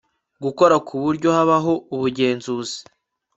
gukora ku buryo habaho ubugenzuzi